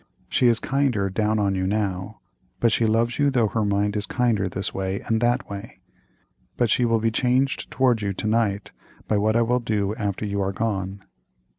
She is kinder down on you now, but she loves you though her mind is kinder this way and that way, but she will be changed toward you to night by what I will do after you are gone."